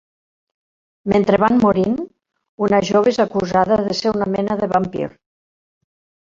Mentre van morint, una jove és acusada de ser una mena de vampir.